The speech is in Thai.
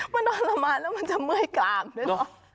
มันทรมานแล้วมันจะเมื่อยกลางเนอะ